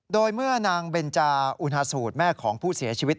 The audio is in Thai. โดยเมื่อนางเบนจาอุณาสูตรแม่ของผู้เสียชีวิต